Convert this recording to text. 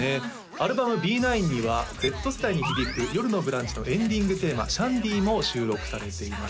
アルバム「Ｂ９」にはＺ世代に響く「よるのブランチ」のエンディングテーマ「シャンディ」も収録されています